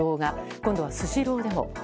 今度はスシローでも。